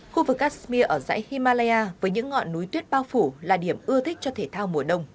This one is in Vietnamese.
khu vực kashmir ở dãy himalaya với những ngọn núi tuyết bao phủ là điểm ưa thích cho thể thao mùa đông